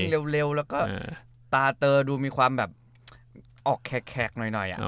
เร็วแล้วก็ตาเตอดูมีความแบบออกแขกหน่อย